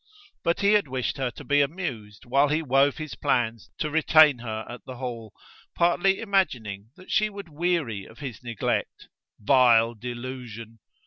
But he had wished her to be amused while he wove his plans to retain her at the Hall: partly imagining that she would weary of his neglect: vile delusion!